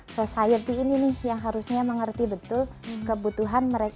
society ini nih yang harusnya mengerti betul kebutuhan mereka